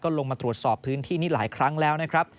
ลงมาตรวจสอบพื้นที่นี้หลายครั้งแล้วนะครับ